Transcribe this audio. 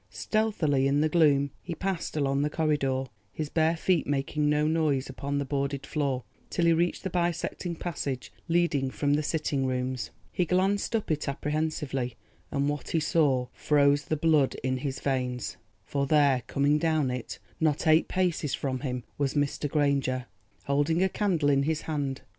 Stealthily in the gloom he passed along the corridor, his bare feet making no noise upon the boarded floor, till he reached the bisecting passage leading from the sitting rooms. He glanced up it apprehensively, and what he saw froze the blood in his veins, for there coming down it, not eight paces from him, was Mr. Granger, holding a candle in his hand.